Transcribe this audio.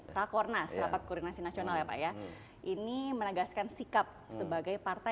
rakornas rapat koordinasi nasional ini menegaskan sikap sebagai partai